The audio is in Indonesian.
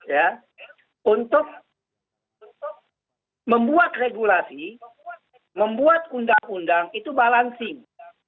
ya untuk membuat regulasi membuat undang undang itu balancing